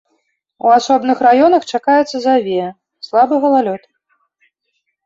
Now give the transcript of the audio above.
У асобных раёнах чакаецца завея, слабы галалёд.